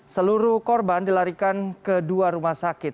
seluruh korban dilarikan ke dua rumah sakit